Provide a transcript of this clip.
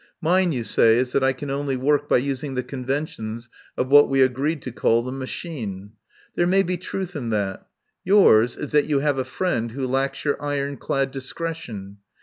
Mine, you say, is that I can only work by using the conventions of what we agreed to call the Machine. There may be truth in that. Yours is that you have a friend who lacks your iron clad discretion.